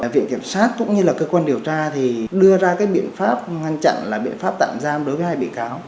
viện kiểm sát cũng như là cơ quan điều tra thì đưa ra cái biện pháp ngăn chặn là biện pháp tạm giam đối với hai bị cáo